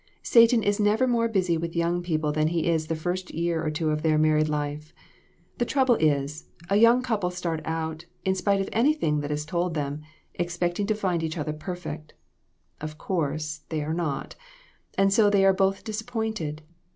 Satan is never more busy with young people than he is the first year or two of their married life. The trouble is, a young couple start out, in spite of anything that is told them, expecting to find each other perfect. Of course, they are not ; and so they are both disappointed.